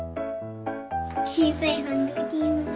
ちいさいハンドクリーム。